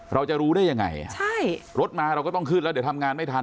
เราจะรู้ได้ยังไงใช่รถมาเราก็ต้องขึ้นแล้วเดี๋ยวทำงานไม่ทัน